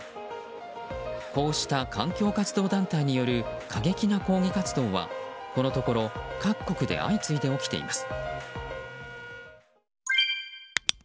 こうした環境活動団体による過激な抗議活動はこのところ各国で相次いで起きています。